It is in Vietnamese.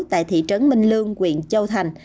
tại thị trấn minh lương huyện châu thành